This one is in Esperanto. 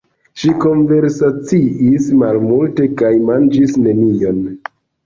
Ŝi konversaciis malmulte kaj manĝis nenion.